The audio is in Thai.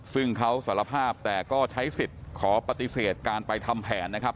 ซึ่งเขาสารภาพแต่ก็ใช้สิทธิ์ขอปฏิเสธการไปทำแผนนะครับ